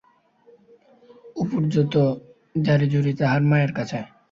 অপুর যত জারিজুরি তাহার মায়ের কাছে।